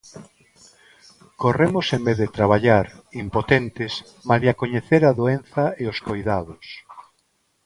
Corremos en vez de traballar, impotentes, malia coñecer a doenza e os coidados.